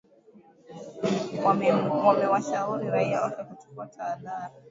Wamewashauri raia wake kuchukua tahadhari